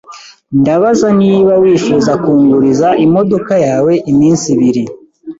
Ndabaza niba wifuza kunguriza imodoka yawe iminsi ibiri.